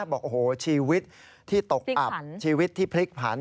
บอกโอ้โหชีวิตที่ตกอับชีวิตที่พลิกผัน